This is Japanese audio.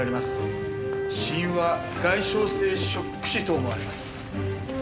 死因は外傷性ショック死と思われます。